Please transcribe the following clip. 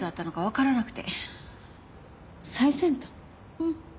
うん。